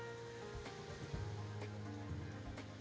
demi mempererat kerjasama bilateral dan multilateral